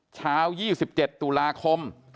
เช้า๒๗ตุลาคม